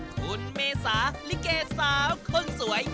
คุณเมษาลิเกสาวคนสวย